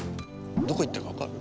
どこ行ったか分かる？